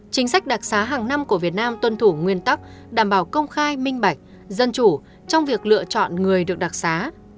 chính sách đặc xá hàng năm của việt nam tuân thủ nguyên tắc đảm bảo công khai minh bạch dân chủ trong việc lựa chọn người được đặc xá